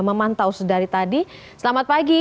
memantau sedari tadi selamat pagi